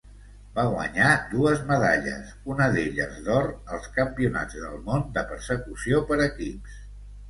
Va guanyar dues medalles, una d'elles d'or, als Campionats del món de Persecució per equips.